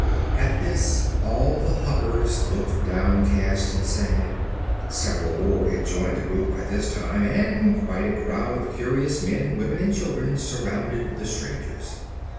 At this all the Hoppers looked downcast and sad. Several more had joined the group by this time and quite a crowd of curious men, women and children surrounded the strangers.